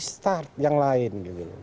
kita harus start yang lain